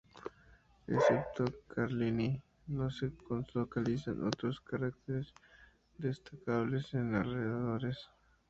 Excepto Carlini, no se localizan otros cráteres destacables en los alrededores.